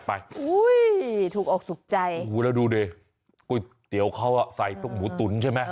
อุ้ยถูกออกสุขใจแล้วดูดิก๋วยเตี๋ยวเขาใส่หมูตุ๋นใช่ไหม